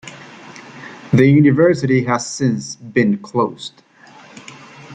The University has since been closed.